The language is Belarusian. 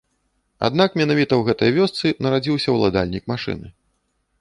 Аднак менавіта ў гэтай вёсцы нарадзіўся ўладальнік машыны.